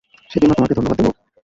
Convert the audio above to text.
সেজন্য তোমাকে ধন্যবাদ দেব?